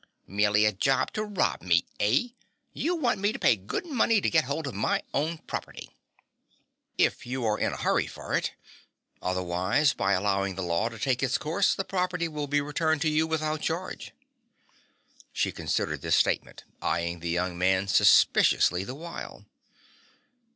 "Merely a job to rob me, eh? You want me to pay good money to get hold of my own property?" "If you are in a hurry for it. Otherwise, by allowing the law to take its course, the property will be returned to you without charge." She considered this statement, eyeing the young man suspiciously the while.